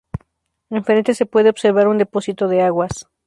En frente se puede observar un depósito de aguas.